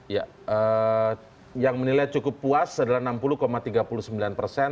ya yang menilai cukup puas adalah enam puluh tiga puluh sembilan persen